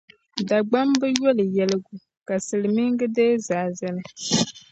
Dagbamba yoli yɛligu ka Silimiiŋa deei zaa zani.